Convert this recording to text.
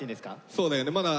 そうだよねまだ。